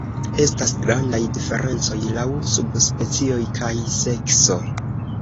Estas grandaj diferencoj laŭ subspecioj kaj sekso.